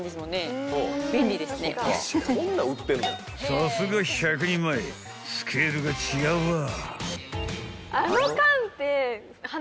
［さすが１００人前スケールが違わ］